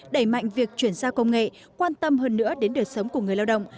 đẩy mạnh việc chuyển giao công nghệ quan tâm hơn nữa đến đời sống của người lao động